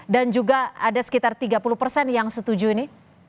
juga ada sekitar tiga puluh persen yang setuju ini